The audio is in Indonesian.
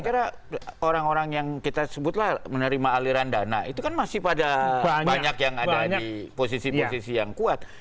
saya kira orang orang yang kita sebutlah menerima aliran dana itu kan masih pada banyak yang ada di posisi posisi yang kuat